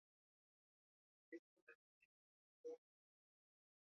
Aigua matinera, tardorada riallera.